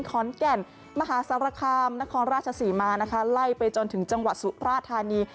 ขอร์นแก่่นมหาทราคัมนครราชสิมาไล่ไปจนถึงจังหวัดสุรธานี